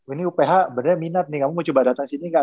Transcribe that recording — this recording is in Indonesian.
ini uph bener bener minat nih kamu mau datang sini gak